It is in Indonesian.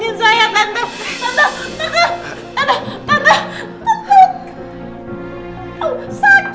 mereka semua orang jatah